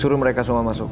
suruh mereka semua masuk